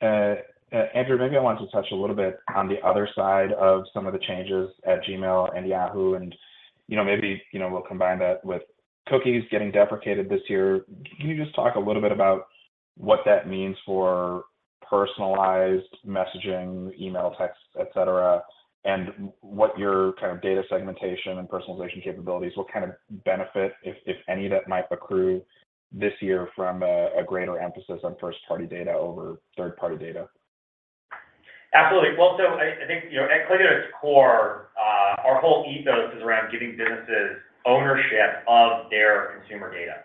maybe I want to touch a little bit on the other side of some of the changes at Gmail and Yahoo! And, you know, maybe, you know, we'll combine that with cookies getting deprecated this year. Can you just talk a little bit about what that means for personalized messaging, email, text, et cetera, and what your kind of data segmentation and personalization capabilities, what kind of benefit, if, if any, that might accrue this year from a, a greater emphasis on first-party data over third-party data? Absolutely. Well, so I think, you know, at Klaviyo's core, our whole ethos is around giving businesses ownership of their consumer data.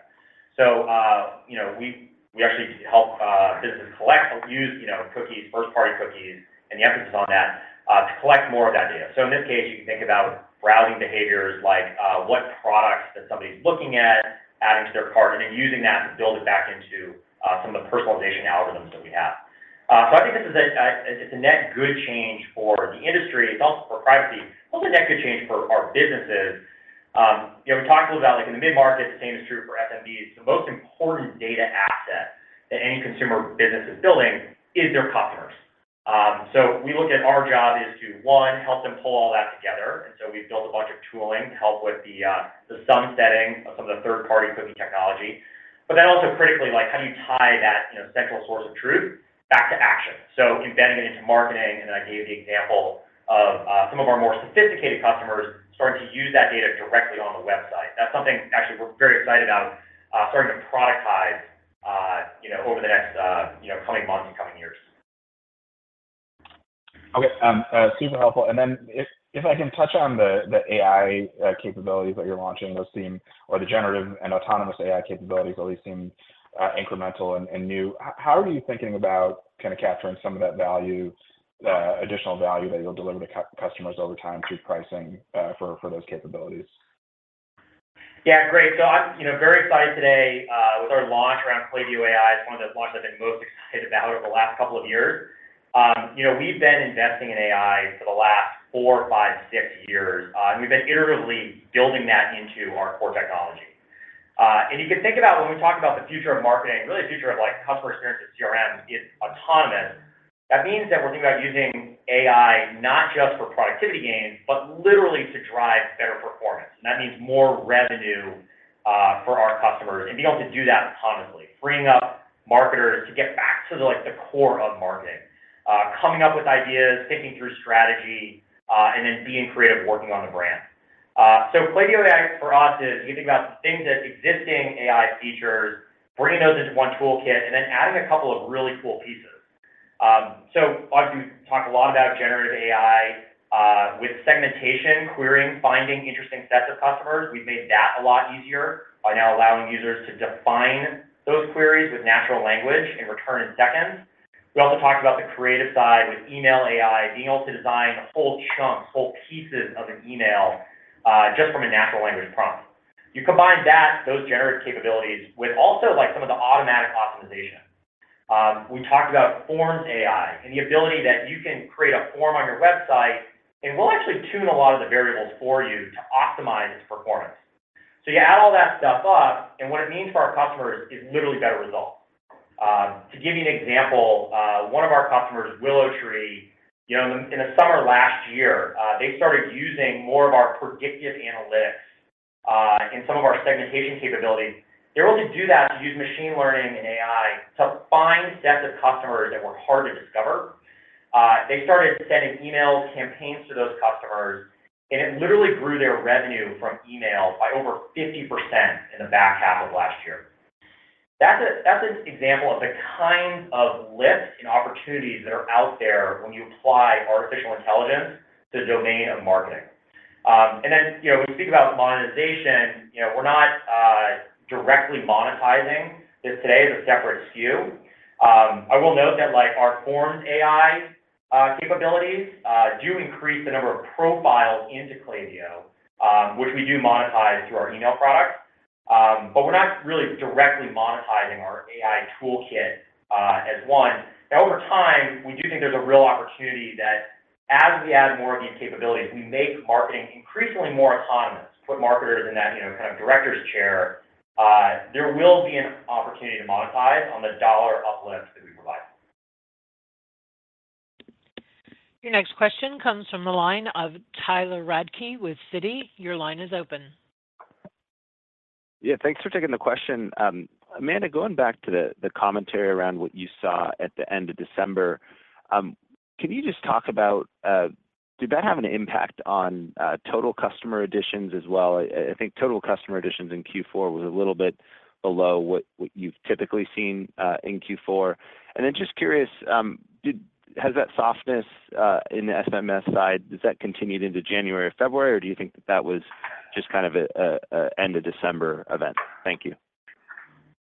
So, you know, we actually help businesses collect or use, you know, cookies, first-party cookies, and the emphasis on that to collect more of that data. So in this case, you can think about browsing behaviors like what products that somebody's looking at, adding to their cart, and then using that to build it back into some of the personalization algorithms that we have. So I think this is a, it's a net good change for the industry. It's also for privacy, also a net good change for our businesses. You know, we talked a little about, like in the mid-market, the same is true for SMBs. The most important data asset that any consumer business is building is their customers. So we look at our job as to, one, help them pull all that together, and so we've built a bunch of tooling to help with the, the sunsetting of some of the third-party cookie technology. But then also critically, like, how do you tie that, you know, central source of truth back to action? So embedding it into marketing, and I gave the example of, some of our more sophisticated customers starting to use that data directly on the website. That's something actually we're very excited about, starting to productize, you know, over the next, you know, coming months and coming years.... Okay, super helpful. And then if I can touch on the AI capabilities that you're launching, those seem—or the generative and autonomous AI capabilities, all these seem incremental and new. How are you thinking about kind of capturing some of that value, additional value that you'll deliver to customers over time through pricing for those capabilities? Yeah, great. So I'm, you know, very excited today with our launch around Klaviyo AI. It's one of those launches I've been most excited about over the last couple of years. You know, we've been investing in AI for the last four, five, six years, and we've been iteratively building that into our core technology. And you can think about when we talk about the future of marketing, really the future of, like, customer experience at CRM is autonomous. That means that we're thinking about using AI not just for productivity gains, but literally to drive better performance. And that means more revenue for our customers, and being able to do that autonomously, freeing up marketers to get back to the, like, the core of marketing. Coming up with ideas, thinking through strategy, and then being creative, working on the brand. So Klaviyo AI for us is, you think about the things that existing AI features, bringing those into one toolkit, and then adding a couple of really cool pieces. So a lot of you talk a lot about generative AI with segmentation, querying, finding interesting sets of customers. We've made that a lot easier by now allowing users to define those queries with natural language and return in seconds. We also talked about the creative side with Email AI, being able to design whole chunks, whole pieces of an email just from a natural language prompt. You combine that, those generative capabilities, with also, like, some of the automatic optimization. We talked about Forms AI, and the ability that you can create a form on your website, and we'll actually tune a lot of the variables for you to optimize its performance. So you add all that stuff up, and what it means for our customers is literally better results. To give you an example, one of our customers, WillowTree, you know, in the summer of last year, they started using more of our predictive analytics and some of our segmentation capabilities. They were able to do that, to use machine learning and AI, to find sets of customers that were hard to discover. They started sending email campaigns to those customers, and it literally grew their revenue from email by over 50% in the back half of last year. That's an example of the kinds of lifts and opportunities that are out there when you apply artificial intelligence to the domain of marketing. And then, you know, when you think about monetization, you know, we're not directly monetizing this today as a separate SKU. I will note that, like, our Forms AI capabilities do increase the number of profiles into Klaviyo, which we do monetize through our email product. But we're not really directly monetizing our AI toolkit as one. Now, over time, we do think there's a real opportunity that as we add more of these capabilities, we make marketing increasingly more autonomous, put marketers in that, you know, kind of director's chair. There will be an opportunity to monetize on the dollar uplift that we provide. Your next question comes from the line of Tyler Radke with Citi. Your line is open. Yeah, thanks for taking the question. Amanda, going back to the commentary around what you saw at the end of December, can you just talk about, did that have an impact on total customer additions as well? I think total customer additions in Q4 was a little bit below what you've typically seen in Q4. And then just curious, has that softness in the SMS side continued into January or February, or do you think that that was just kind of an end-of-December event? Thank you.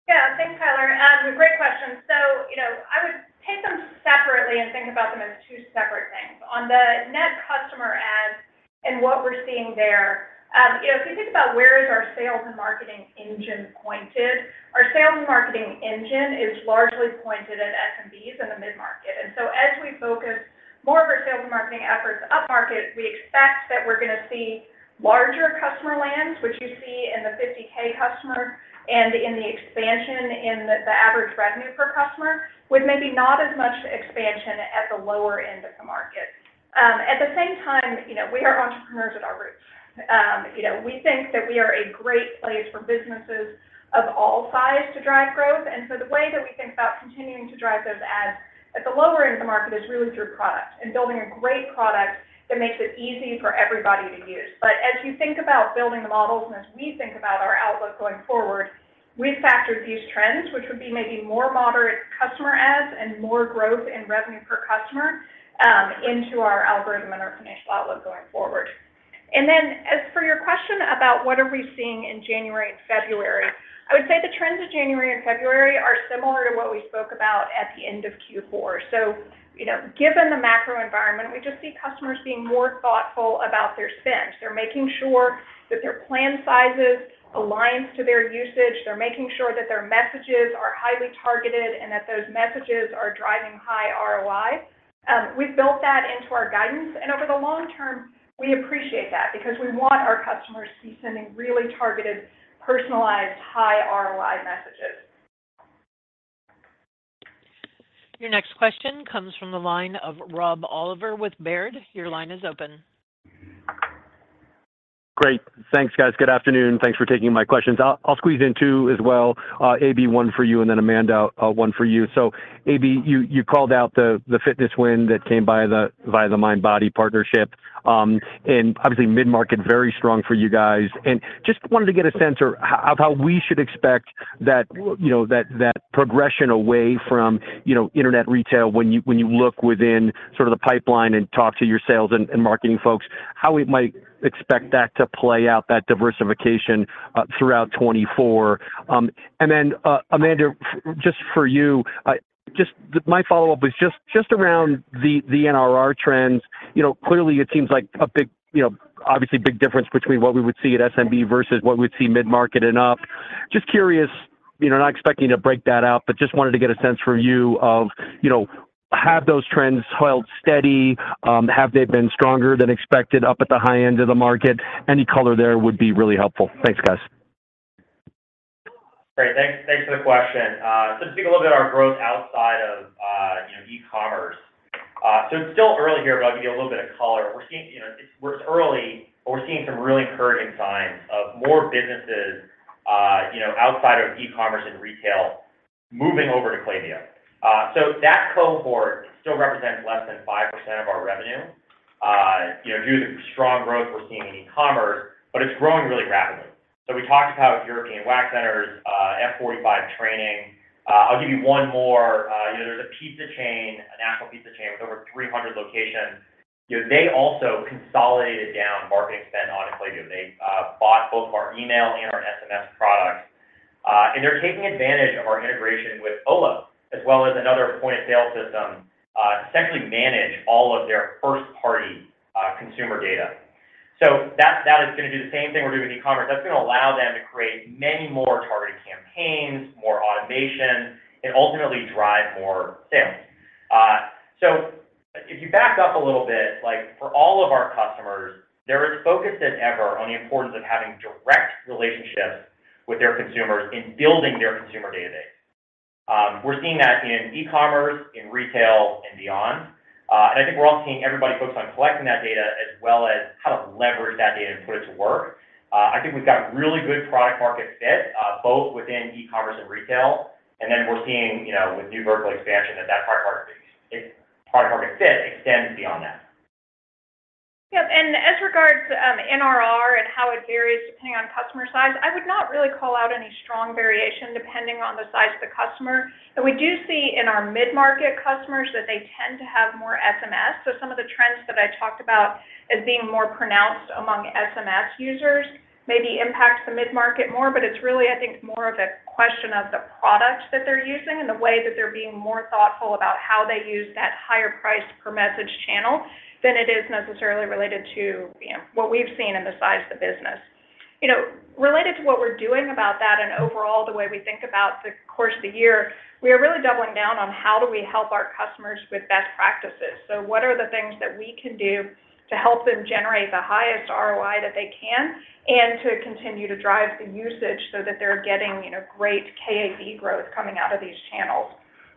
Yeah, thanks, Tyler. Great question. So, you know, I would take them separately and think about them as two separate things. On the net customer adds and what we're seeing there, you know, if you think about where is our sales and marketing engine pointed, our sales and marketing engine is largely pointed at SMBs in the mid-market. And so as we focus more of our sales and marketing efforts upmarket, we expect that we're gonna see larger customer lands, which you see in the 50K customer, and in the expansion in the average revenue per customer, with maybe not as much expansion at the lower end of the market. At the same time, you know, we are entrepreneurs at our roots. You know, we think that we are a great place for businesses of all sizes to drive growth. So the way that we think about continuing to drive those adds at the lower end of the market is really through product, and building a great product that makes it easy for everybody to use. But as you think about building the models, and as we think about our outlook going forward, we've factored these trends, which would be maybe more moderate customer adds and more growth in revenue per customer, into our algorithm and our financial outlook going forward. And then as for your question about what are we seeing in January and February, I would say the trends of January and February are similar to what we spoke about at the end of Q4. So, you know, given the macro environment, we just see customers being more thoughtful about their spend. They're making sure that their plan sizes aligns to their usage. They're making sure that their messages are highly targeted and that those messages are driving high ROI. We've built that into our guidance, and over the long term, we appreciate that because we want our customers to be sending really targeted, personalized, high ROI messages. Your next question comes from the line of Rob Oliver with Baird. Your line is open. ... Great. Thanks, guys. Good afternoon, and thanks for taking my questions. I'll, I'll squeeze in two as well, AB, one for you, and then Amanda, one for you. So AB, you, you called out the, the fitness win that came by via the Mindbody partnership. And obviously, mid-market, very strong for you guys. And just wanted to get a sense of of how we should expect that, you know, that, that progression away from, you know, internet retail when you, when you look within sort of the pipeline and talk to your sales and, and marketing folks, how we might expect that to play out, that diversification, throughout 2024. And then, Amanda, just for you, just the my follow-up is just, just around the, the NRR trends. You know, clearly, it seems like a big, you know, obviously, big difference between what we would see at SMB versus what we'd see mid-market and up. Just curious, you know, not expecting to break that out, but just wanted to get a sense from you of, you know, have those trends held steady? Have they been stronger than expected up at the high end of the market? Any color there would be really helpful. Thanks, guys. Great. Thanks, thanks for the question. So to speak a little bit our growth outside of, you know, e-commerce. So it's still early here, but I'll give you a little bit of color. We're seeing, you know, it's early, but we're seeing some really encouraging signs of more businesses, you know, outside of e-commerce and retail moving over to Klaviyo. So that cohort still represents less than 5% of our revenue, you know, due to the strong growth we're seeing in e-commerce, but it's growing really rapidly. So we talked about European Wax Center, F45 Training. I'll give you one more. You know, there's a pizza chain, a national pizza chain, with over 300 locations. You know, they also consolidated down marketing spend onto Klaviyo. They bought both our email and our SMS products, and they're taking advantage of our integration with Olo, as well as another point-of-sale system, to essentially manage all of their first-party consumer data. So that, that is gonna do the same thing we're doing with e-commerce. That's gonna allow them to create many more targeted campaigns, more automation, and ultimately drive more sales. So if you back up a little bit, like, for all of our customers, there is focus than ever on the importance of having direct relationships with their consumers in building their consumer database. We're seeing that in e-commerce, in retail, and beyond. And I think we're also seeing everybody focused on collecting that data as well as how to leverage that data and put it to work. I think we've got really good product-market fit, both within e-commerce and retail, and then we're seeing, you know, with new vertical expansion, that that product-market, product-market fit extends beyond that. Yep, and as regards to, NRR and how it varies depending on customer size, I would not really call out any strong variation depending on the size of the customer. But we do see in our mid-market customers that they tend to have more SMS. So some of the trends that I talked about as being more pronounced among SMS users maybe impacts the mid-market more, but it's really, I think, more of a question of the product that they're using and the way that they're being more thoughtful about how they use that higher price per message channel than it is necessarily related to, you know, what we've seen in the size of the business. You know, related to what we're doing about that and overall the way we think about the course of the year, we are really doubling down on how do we help our customers with best practices. So what are the things that we can do to help them generate the highest ROI that they can, and to continue to drive the usage so that they're getting, you know, great KAV growth coming out of these channels?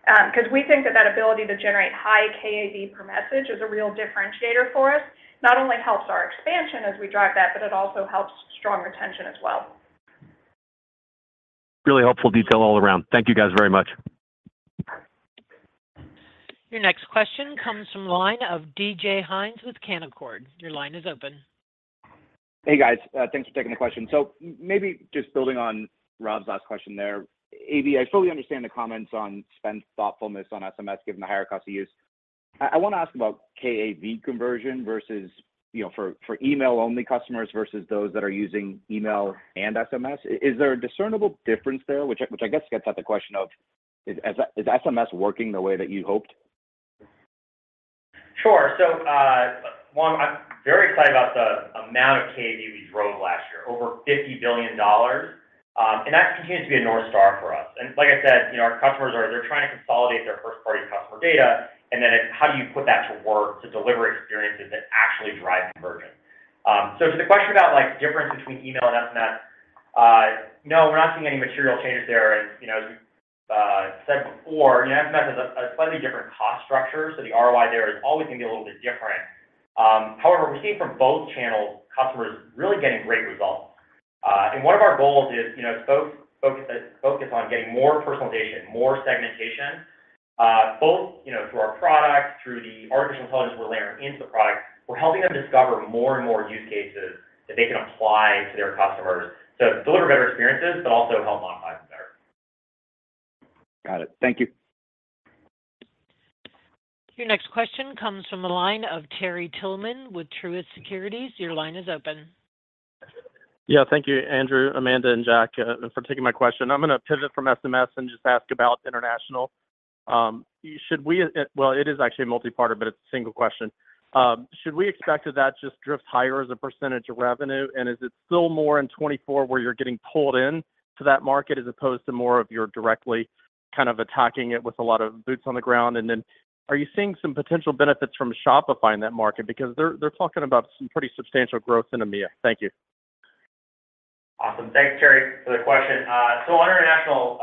'Cause we think that that ability to generate high KAV per message is a real differentiator for us. Not only helps our expansion as we drive that, but it also helps strong retention as well. Really helpful detail all around. Thank you, guys, very much. Your next question comes from the line of DJ Hynes with Canaccord. Your line is open. Hey, guys. Thanks for taking the question. So maybe just building on Rob's last question there. AB, I totally understand the comments on spend thoughtfulness on SMS, given the higher cost to use. I wanna ask about KAV conversion versus, you know, for email-only customers versus those that are using email and SMS. Is there a discernible difference there? Which I guess gets at the question of, is SMS working the way that you hoped? Sure. So, one, I'm very excited about the amount of KAV we drove last year, over $50 billion, and that continues to be a North Star for us. And like I said, you know, our customers are—they're trying to consolidate their first-party customer data, and then it's how do you put that to work to deliver experiences that actually drive conversion? So to the question about like, difference between email and SMS, no, we're not seeing any material changes there. And, you know, as we've said before, you know, SMS has a slightly different cost structure, so the ROI there is always going to be a little bit different. However, we're seeing from both channels, customers really getting great results. One of our goals is, you know, focus on getting more personalization, more segmentation, both, you know, through our product, through the artificial intelligence we're layering into the product. We're helping them discover more and more use cases that they can apply to their customers to deliver better experiences, but also help monetize them better. Got it. Thank you. Your next question comes from the line of Terry Tillman with Truist Securities. Your line is open. Yeah, thank you, Andrew, Amanda, and Jack, for taking my question. I'm gonna pivot from SMS and just ask about international. Well, it is actually a multi-part, but it's a single question. Should we expect that that just drifts higher as a percentage of revenue? And is it still more in 2024 where you're getting pulled in to that market, as opposed to more of you're directly kind of attacking it with a lot of boots on the ground? And then, are you seeing some potential benefits from Shopify in that market? Because they're talking about some pretty substantial growth in EMEA. Thank you. ... Awesome. Thanks, Terry, for the question. So on international,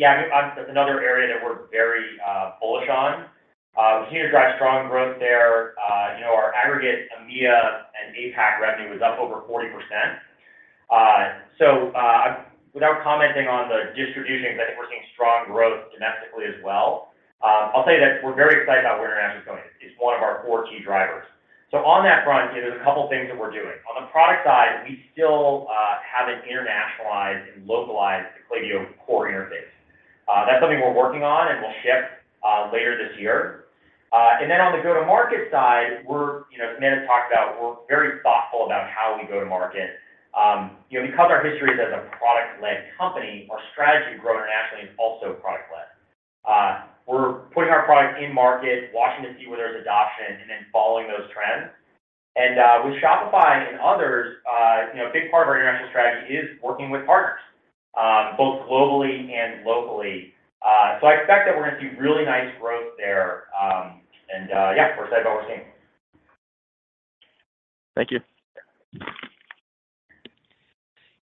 yeah, I mean, obviously, that's another area that we're very bullish on. We continue to drive strong growth there. You know, our aggregate EMEA and APAC revenue was up over 40%. So, without commenting on the distribution, I think we're seeing strong growth domestically as well. I'll tell you that we're very excited about where international is going. It's one of our four key drivers. So on that front, you know, there's a couple of things that we're doing. On the product side, we still have an internationalized and localized Klaviyo core interface. That's something we're working on, and we'll ship later this year. And then on the go-to-market side, we're, you know, as Amanda talked about, we're very thoughtful about how we go to market. You know, because our history is as a product-led company, our strategy to grow internationally is also product-led. We're putting our product in market, watching to see where there's adoption, and then following those trends. And, with Shopify and others, you know, a big part of our international strategy is working with partners, both globally and locally. So I expect that we're going to see really nice growth there. And, yeah, we're excited about what we're seeing. Thank you.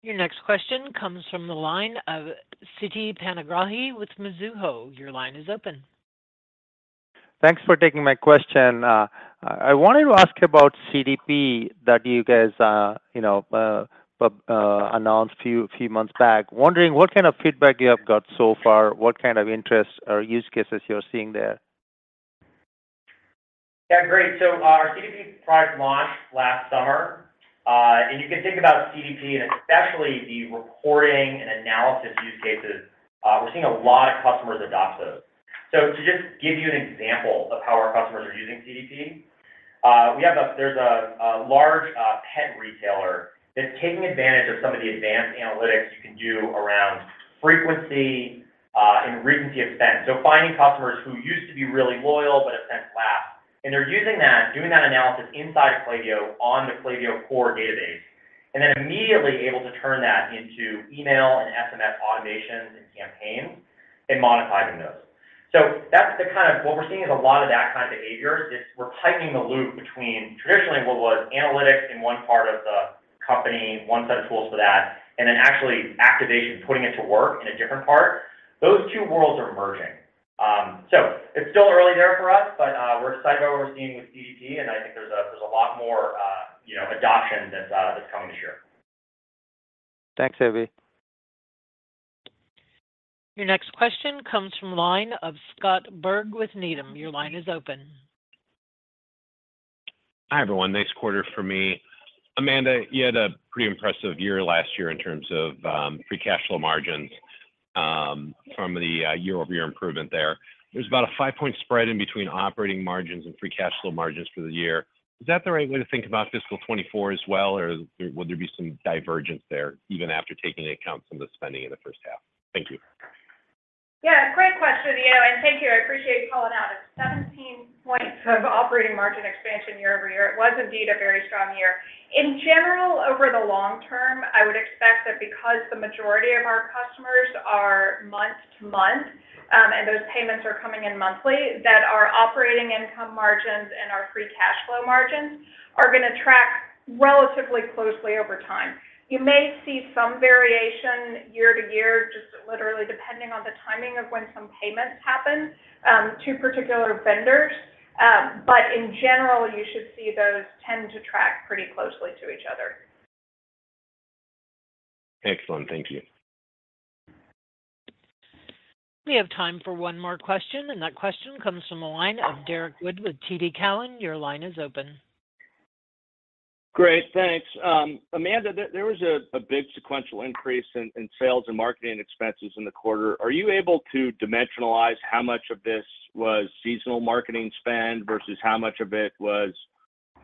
Your next question comes from the line of Siti Panigrahi with Mizuho. Your line is open. Thanks for taking my question. I wanted to ask about CDP that you guys, you know, announced a few months back. Wondering what kind of feedback you have got so far, what kind of interest or use cases you're seeing there? Yeah, great. So, our CDP product launched last summer. And you can think about CDP, and especially the reporting and analysis use cases, we're seeing a lot of customers adopt those. So to just give you an example of how our customers are using CDP, there's a large pet retailer that's taking advantage of some of the advanced analytics you can do around frequency and recency and spend. So finding customers who used to be really loyal but have since lapsed. And they're using that, doing that analysis inside of Klaviyo on the Klaviyo core database, and then immediately able to turn that into email and SMS automations and campaigns and monetizing those. So that's the kind of... What we're seeing is a lot of that kind of behavior. It's we're tightening the loop between traditionally what was analytics in one part of the company, one set of tools for that, and then actually activation, putting it to work in a different part. Those two worlds are merging. So it's still early there for us, but we're excited about what we're seeing with CDP, and I think there's a lot more, you know, adoption that's coming this year. Thanks, AB. Your next question comes from line of Scott Berg with Needham. Your line is open. Hi, everyone. Nice quarter for me. Amanda, you had a pretty impressive year last year in terms of free cash flow margins from the year-over-year improvement there. There's about a 5-point spread in between operating margins and free cash flow margins for the year. Is that the right way to think about fiscal 2024 as well, or will there be some divergence there, even after taking into account some of the spending in the first half? Thank you. Yeah, great question, you know, and thank you. I appreciate you calling it out. It's 17 points of operating margin expansion year-over-year. It was indeed a very strong year. In general, over the long term, I would expect that because the majority of our customers are month-to-month, and those payments are coming in monthly, that our operating income margins and our Free Cash Flow margins are going to track relatively closely over time. You may see some variation year-to-year, just literally depending on the timing of when some payments happen to particular vendors. But in general, you should see those tend to track pretty closely to each other. Excellent. Thank you. We have time for one more question, and that question comes from the line of Derrick Wood with TD Cowen. Your line is open. Great. Thanks. Amanda, there was a big sequential increase in sales and marketing expenses in the quarter. Are you able to dimensionalize how much of this was seasonal marketing spend versus how much of it was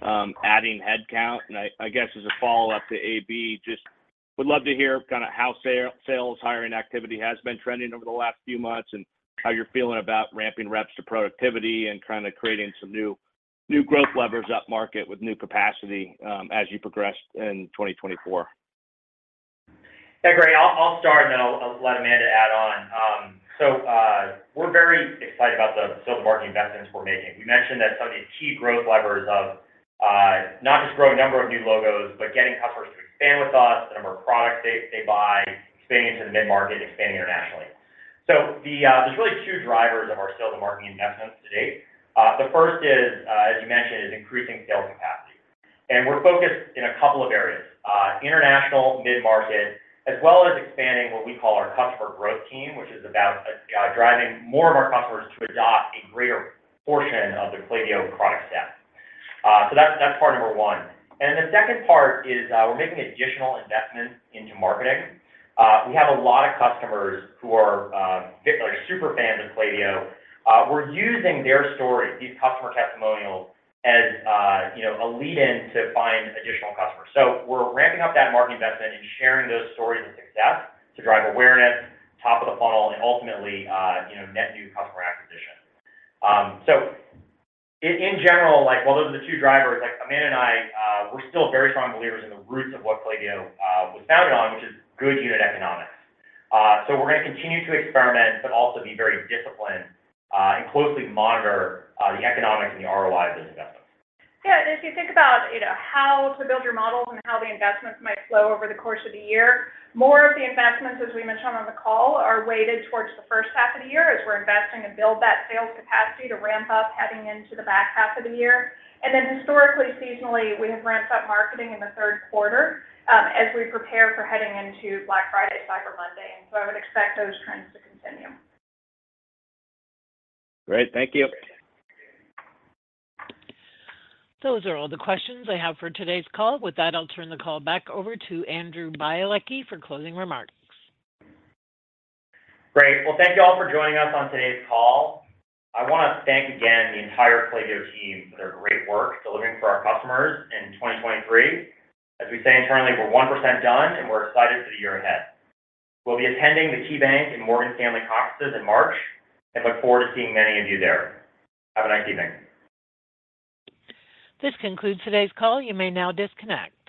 adding headcount? And I guess, as a follow-up to AB, just would love to hear kinda how sales hiring activity has been trending over the last few months, and how you're feeling about ramping reps to productivity and kinda creating some new growth levers upmarket with new capacity as you progress in 2024. Yeah, great. I'll start and then I'll let Amanda add on. So, we're very excited about the sales and marketing investments we're making. We mentioned that some of the key growth levers of not just growing number of new logos, but getting customers to expand with us, the number of products they buy, expanding into the mid-market, expanding internationally. So there's really two drivers of our sales and marketing investments to date. The first is, as you mentioned, is increasing sales capacity. And we're focused in a couple of areas: international, mid-market, as well as expanding what we call our customer growth team, which is about driving more of our customers to adopt a greater portion of the Klaviyo product set. So that's part number one. And the second part is, we're making additional investments into marketing. We have a lot of customers who are, like, super fans of Klaviyo. We're using their stories, these customer testimonials, as, you know, a lead-in to find additional customers. So we're ramping up that marketing investment and sharing those stories of success to drive awareness, top of the funnel, and ultimately, you know, net new customer acquisition. So in general, like, while those are the two drivers, like, Amanda and I, we're still very strong believers in the roots of what Klaviyo was founded on, which is good unit economics. So we're going to continue to experiment, but also be very disciplined, and closely monitor the economics and the ROI of those investments. Yeah, and if you think about, you know, how to build your models and how the investments might flow over the course of the year, more of the investments, as we mentioned on the call, are weighted towards the first half of the year, as we're investing to build that sales capacity to ramp up heading into the back half of the year. And then historically, seasonally, we have ramped up marketing in the third quarter, as we prepare for heading into Black Friday, Cyber Monday, and so I would expect those trends to continue. Great. Thank you. Those are all the questions I have for today's call. With that, I'll turn the call back over to Andrew Bialecki for closing remarks. Great. Well, thank you all for joining us on today's call. I want to thank again the entire Klaviyo team for their great work delivering for our customers in 2023. As we say internally, we're 1% done, and we're excited for the year ahead. We'll be attending the KeyBanc and Morgan Stanley conferences in March and look forward to seeing many of you there. Have a nice evening. This concludes today's call. You may now disconnect.